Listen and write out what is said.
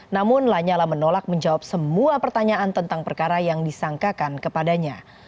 namun lanyala menolak menjawab semua pertanyaan tentang perkara yang disangkakan kepadanya